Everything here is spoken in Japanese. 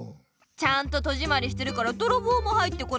ちゃんと戸じまりしてるからどろぼうも入ってこない。